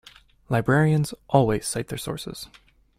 Librarians always cite their sources.